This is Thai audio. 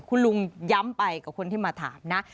คุณลุงย้ำไปกับคนที่มาถามนะ